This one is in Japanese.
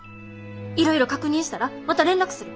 いろいろ確認したらまた連絡する。